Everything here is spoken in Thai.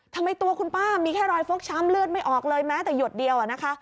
ทำไมตัวคุณป้ามีแค่รอยฟกช้ำเลือดไม่ออกเลยแม้แต่หยดเดียวอะนะคะ